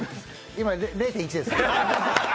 今、０．１です。